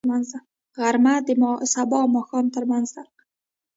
غرمه د سبا او ماښام ترمنځ دی